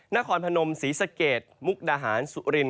นครพนมศรีสะเกดมุกดาหารสุริน